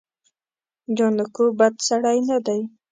جانکو بد سړی نه دی.